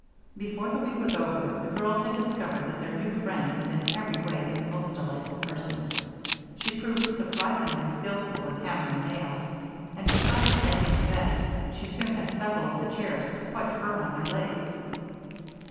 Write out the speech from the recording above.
Before the week was over, the girls had discovered that their new friend was in every way a most delightful person. She proved surprisingly skillful with hammer and nails, and besides mending the bed she soon had several of the chairs quite firm on their legs.